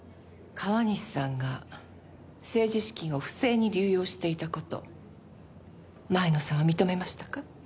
川西さんが政治資金を不正に流用していた事前野さんは認めましたか？